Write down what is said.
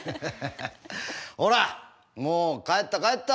ほらっもう帰った帰った！